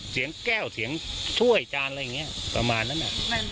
เสียงแก้วเสียงถ้วยจานอะไรอย่างนี้ประมาณนั้น